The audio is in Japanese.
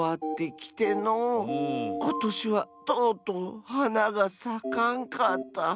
ことしはとうとうはながさかんかった。